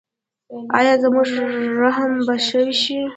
ایا زما رحم به ښه شي؟